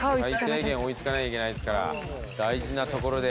最低限追いつかなきゃいけないですから大事なところで。